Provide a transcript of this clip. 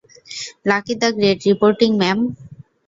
Lucky the great, reporting, ma'am.